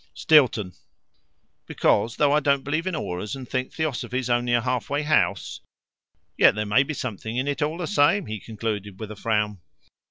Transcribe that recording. "Stilton. Because, though I don't believe in auras, and think Theosophy's only a halfway house "" Yet there may be something in it all the same," he concluded, with a frown.